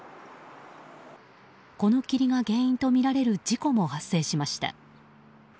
この霧が原因とみられる事故も発生しました。